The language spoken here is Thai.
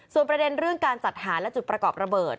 ส่วนประเด็นเรื่องการจัดหาและจุดประกอบระเบิด